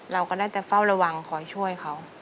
เราก็ได้แต่เฝ้าระวังคอยช่วยเขา